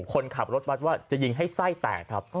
คนขับรถบัตรว่าจะยิงให้ไส้แตกครับ